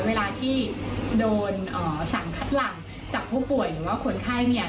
เวลาที่โดนสารคัดหลังจากผู้ป่วยหรือว่าคนไข้เนี่ย